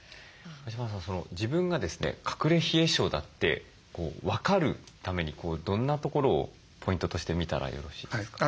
自分がですね隠れ冷え症だって分かるためにどんなところをポイントとして見たらよろしいですか？